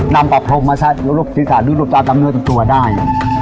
นำปรับพรมมาชัดรูปศิษฐารูปรับน้ำเนื้อตัวได้